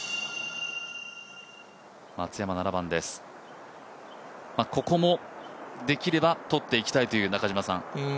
松山、ここもできれば取っていきたいという。